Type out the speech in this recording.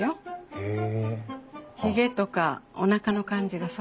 へえ？